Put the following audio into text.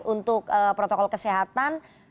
untuk protokol kesehatan